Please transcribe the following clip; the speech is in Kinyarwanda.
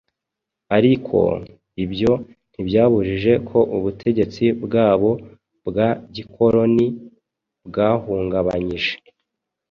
aliko ibyo ntibyabujije ko ubutegetsi bwabo bwa gikoloni bwahungabanyije